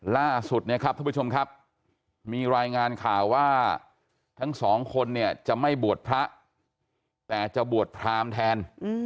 ล่าสุดเนี่ยครับท่านผู้ชมครับมีรายงานข่าวว่าทั้งสองคนเนี่ยจะไม่บวชพระแต่จะบวชพรามแทน